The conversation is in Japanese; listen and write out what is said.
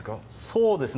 そうですね。